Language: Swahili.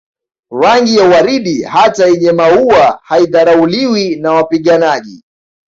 Rangi ya waridi hata yenye maua haidharauliwi na wapiganaji